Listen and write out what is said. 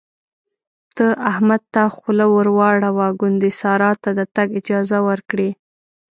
ته احمد ته خوله ور واړوه ګوندې سارا ته د تګ اجازه ورکړي.